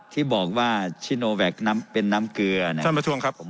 ที่บอกว่าชิโนแวคเป็นน้ำเกลือนะครับ